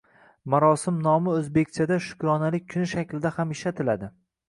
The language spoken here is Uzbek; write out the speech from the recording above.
Marosim nomi oʻzbekchada Shukronalik kuni shaklida ham ishlatiladi